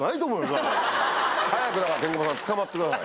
早くだからケンコバさん捕まってください。